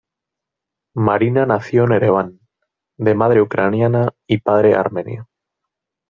Marina nació en Ereván, de madre ucraniana y padre armenio.